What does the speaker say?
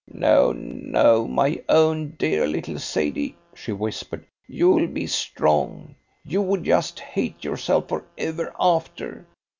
"No, no, my own dear little Sadie," she whispered. "You'll be strong! You would just hate yourself for ever after.